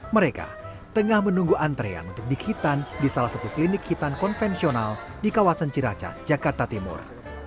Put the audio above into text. mereka tengah menunggu antrean untuk dihitan di salah satu klinik hitan konvensional di kawasan ciracas jakarta timur